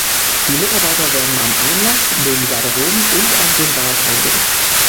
Die Mitarbeiter werden am Einlass, den Garderoben und an den Bars eingesetzt.